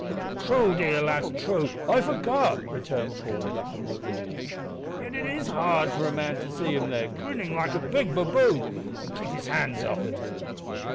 "True, dear lass, true; I forgot," returned Paul, with a humbled look; "yet it is hard for a man to see him there, grinning like a big baboon, an' keep his hands off him."